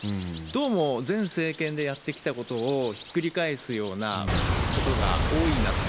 どうも、前政権でやってきたことをひっくり返すようなことが多いなと。